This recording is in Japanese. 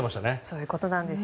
そういうことなんです。